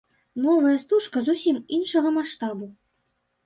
Новая стужка зусім іншага маштабу.